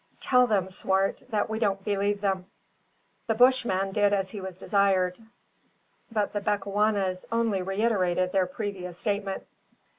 Tell them, Swart that we don't believe them." The Bushman did as he was desired, but the Bechuanas only reiterated their previous statement.